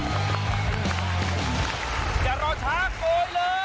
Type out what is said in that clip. มันเกือบแล้วมันก็ว่ามันเปล่า